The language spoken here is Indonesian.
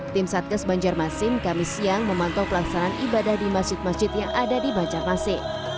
tim satgas banjarmasin kamis siang memantau pelaksanaan ibadah di masjid masjid yang ada di banjarmasin